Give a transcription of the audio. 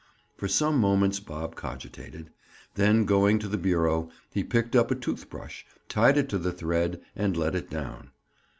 For some moments Bob cogitated, then going to the bureau, he picked up a tooth brush, tied it to the thread, and let it down.